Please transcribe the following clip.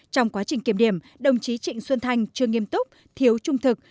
trong quá trình kiểm điểm đồng chí trịnh xuân thanh chưa nghiêm túc thiếu trung thực